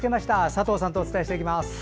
佐藤さんとお伝えしていきます。